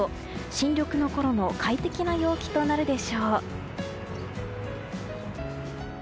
新緑のころの快適な陽気となるでしょう。